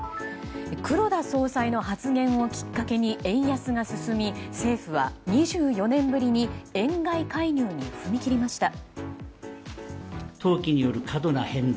黒田総裁の発言をきっかけに円安が進み政府は２４年ぶりに円買い介入に踏み切りました。